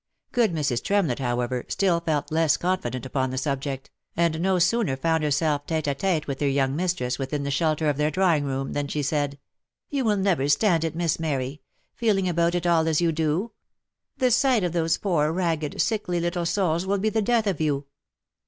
Good Mrs. Tremlett, however, still felt less confident upon the subject, and no sooner found herself tete a tete with her young mistress within the shelter of their drawing room, than she said, "You will never stand it, Miss Mary !— feeling about it all as you do — the sight of those poor ragged, sickly little souls will be the death of you."